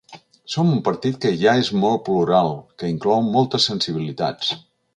Som un partit que ja és molt plural, que inclou moltes sensibilitats.